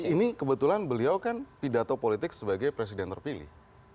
ini kebetulan beliau kan pidato politik sebagai presiden terpilih